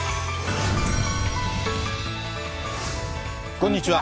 こんにちは。